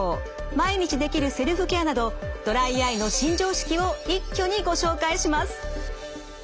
毎日できるセルフケアなどドライアイの新常識を一挙にご紹介します。